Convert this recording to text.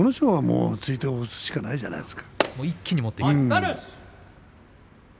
突いて押すしかないんじゃないですか。